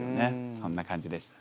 そんな感じでしたね。